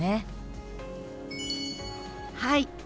はい。